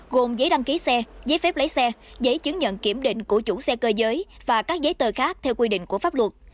gồm giấy đăng ký xe giấy phép lấy xe giấy chứng nhận kiểm định của chủ xe cơ giới và các giấy tờ khác theo quy định của pháp luật